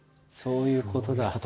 そういうことだ。